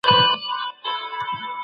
ازاده مطالعه به تر سانسور ډېره وده وکړي.